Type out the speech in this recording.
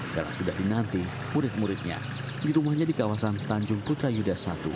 karena sudah dinanti murid muridnya di rumahnya di kawasan tanjung putra yudas satu